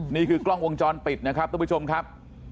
นี่คือกล้องวงจรปิดนะครับทุกผู้ชมครับ